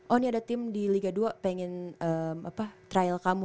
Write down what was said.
oh ini ada tim di liga dua pengen trial kamu